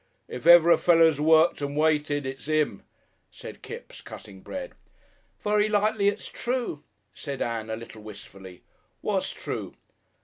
"If ever a feller 'as worked and waited, it's 'im," said Kipps, cutting bread. "Very likely it's true," said Ann, a little wistfully. "What's true?"